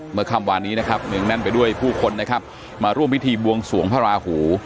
เมื่อค่ำวานนี้นะครับเนื่องแน่นไปด้วยผู้คนนะครับมาร่วมพิธีบวงสวงพระราหู